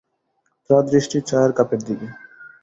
তাঁর দৃষ্টি চায়ের কাপের দিকে।